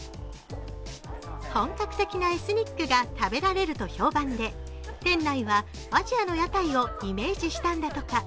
本格的なエスニックが食べられると評判で店内はアジアの屋台をイメージしたんだとか。